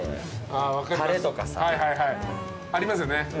たれとかさ。ありますよね。